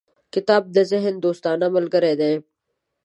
• کتاب د ذهن دوستانه ملګری دی.